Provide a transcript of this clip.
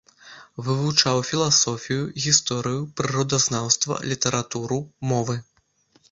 Вывучаў філасофію, гісторыю, прыродазнаўства, літаратуру, мовы.